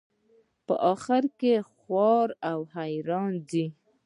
په آخر کې خوار او حیران ځي.